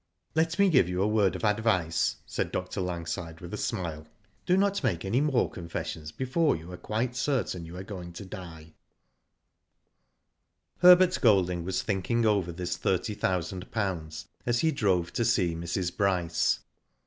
Let me give you a word of advice," said Dr. Langside, with a smile. *' Do not make any more confessions before you are quite certain you are going to die." Digitized by Google I40 W//0 DID ITf Herbert Golding was thinking over this thirty thousand pounds as he drove to see Mrs. Bryce.